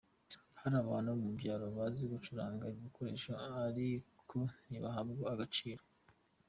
Hari abantu mu byaro bazi gucuranga ibi bikoresho ariko ntibahabwa agaciro.